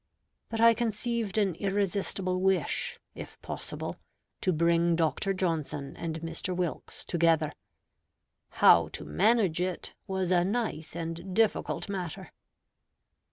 But I conceived an irresistible wish, if possible, to bring Dr. Johnson and Mr. Wilkes together. How to manage it, was a nice and difficult matter.